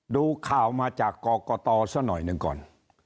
ดูข่าวมาจากกรกตซะหน่อยหนึ่งก่อน